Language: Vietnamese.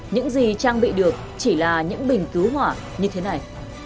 những gì trang bị được chỉ là những bình cứu hỏa như thế này